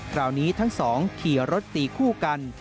คราวนี้ทั้งสองขี่รถตีคู่กัน